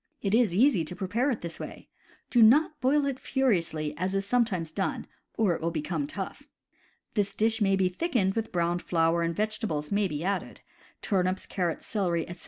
It is easy to prepare it this way. Do not boil it furiously as is sometimes done, or it will become tough. This dish may be thickened with browned flour, and vegetables may be added — turnips, carrots, celery, etc.